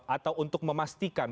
atau untuk memastikan